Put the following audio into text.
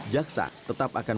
jaksa tetap akan berhubungan